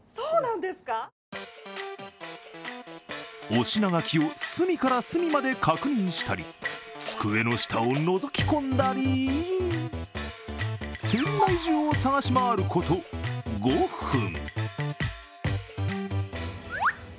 お品書きを隅から隅まで確認したり机の下をのぞき込んだり店内中を探し回ること、５分。